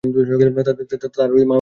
তার মামার বাড়ি সিলেটে।